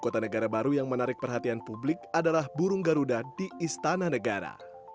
kota negara baru yang menarik perhatian publik adalah burung garuda di istana negara